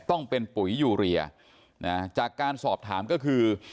ต้องเป็นปุ๋ยยูเรียนจากการสอบถามก็คือ